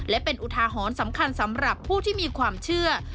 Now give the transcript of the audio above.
และเป็นอุทาหรณ์สำคัญสำหรับผู้ที่มีความเชื่อ